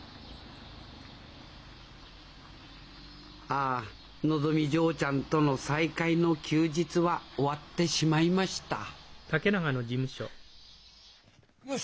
ああのぞみ嬢ちゃんとの再会の休日は終わってしまいましたよ